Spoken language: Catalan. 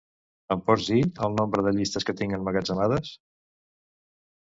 Em pots dir el nombre de llistes que tinc emmagatzemades?